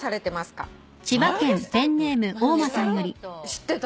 知ってる？